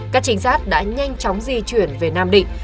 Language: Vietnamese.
các trinh sát đã nhanh chóng di chuyển về nam định